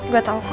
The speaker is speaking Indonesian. gue tau kok